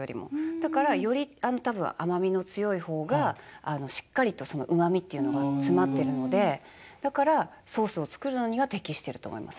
だからより多分甘みの強い方がしっかりとうまみっていうのが詰まってるのでだからソースを作るのには適してると思います